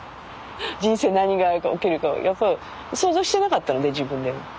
人生何が起きるか想像してなかったので自分でも。